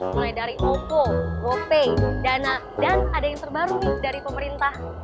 mulai dari ovo gope dana dan ada yang terbaru dari pemerintah